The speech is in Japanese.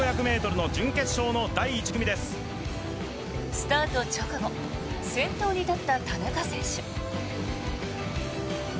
スタート直後先頭に立った田中選手。